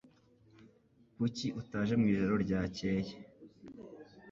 Kuki utaje mu ijoro ryakeye